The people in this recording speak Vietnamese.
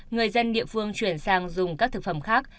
người dân địa phương chuyển sang dùng các thực phẩm khác